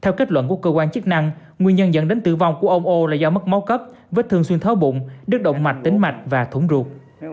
ô là do mất máu cấp vết thương xuyên thói bụng đứt động mạch tính mạch và thủng ruột